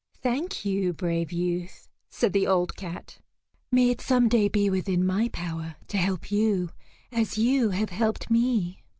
"Thank you, brave youth," said the old cat. "May it some day be within my power to help you as you have helped me."